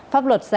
pháp luật sẽ